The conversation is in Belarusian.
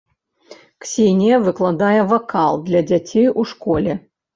Ксенія выкладае вакал для дзяцей у школе.